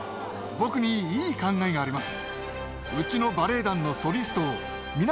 僕にいい考えがあります。